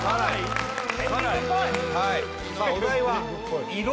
はいさあお題は「色」